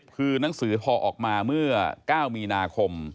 คือหนังสือพอออกมาเมื่อ๙มีนาคม